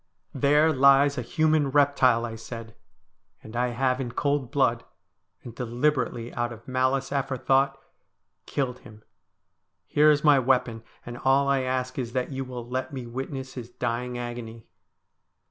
' There lies a human reptile,' I said ;' and I have in cold blood, and deliberately out of malice aforethought, killed him. Here is my weapon, and all I ask is that you will let me wit ness his dying agony.'